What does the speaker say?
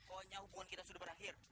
pokoknya hubungan kita sudah berakhir